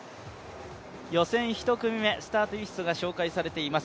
予選１組目スタートリストが紹介されています